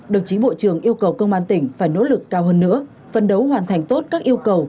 đồng chí bộ trưởng yêu cầu công an tỉnh phải nỗ lực cao hơn nữa phân đấu hoàn thành tốt các yêu cầu